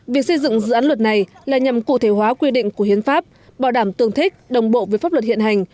việc xây dựng dự án luật này là nhằm cụ thể hóa quy định của hiến pháp bảo đảm tương thích đồng bộ với pháp luật hiện hành